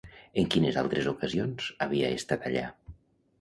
En quines altres ocasions havia estat allà?